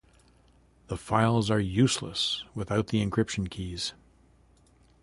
The files are useless without the encryption keys.